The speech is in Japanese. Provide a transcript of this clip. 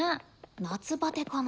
夏バテかな？